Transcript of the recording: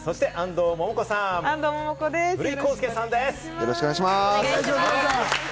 よろしくお願いします。